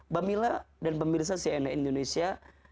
pamila dan pemirsa cna indonesia